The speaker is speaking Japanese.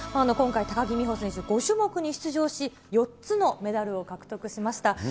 今回、高木美帆選手、５種目に出場し、４つのメダルを獲得しました。